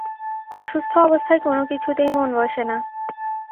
অসুস্থ অবস্থায় কোনো কিছুতেই মন বসে না।